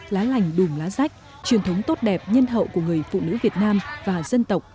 lá lành đùm lá rách truyền thống tốt đẹp nhân hậu của người phụ nữ việt nam và dân tộc